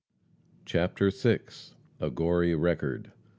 CHAPTER VI. A GORY RECORD.